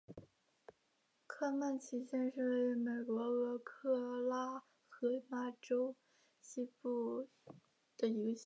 科曼奇县是位于美国俄克拉何马州西南部的一个县。